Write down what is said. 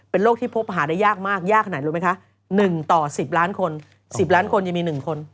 โรคที่พบหาได้ยากมากยากขนาดไหนรู้ไหมคะ๑ต่อ๑๐ล้านคน๑๐ล้านคนยังมี๑คน